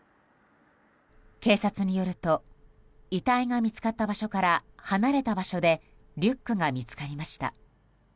警察によると遺体が見つかった場所から離れた場所でリュックが見つかりました。